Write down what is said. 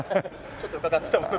ちょっと伺ってたものと。